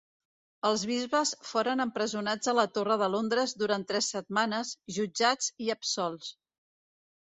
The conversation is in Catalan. Els bisbes foren empresonats a la Torre de Londres durant tres setmanes, jutjats i absolts.